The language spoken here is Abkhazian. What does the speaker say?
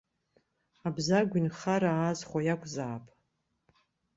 Абзагә инхара аазхәо иакәзаап.